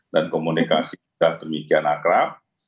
dan komunikasi sudah demikian akrab